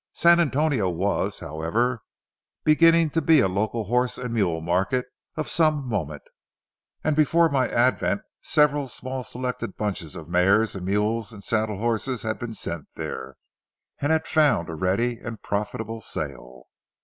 San Antonio was, however, beginning to be a local horse and mule market of some moment, and before my advent several small selected bunches of mares, mules, and saddle horses had been sent there, and had found a ready and profitable sale.